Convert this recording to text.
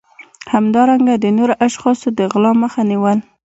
همدارنګه د نورو اشخاصو د غلا مخه نیول